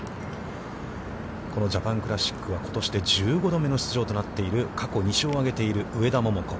このジャパンクラシックは、ことしで１５度目の出場となっている、過去２勝を挙げている、上田桃子。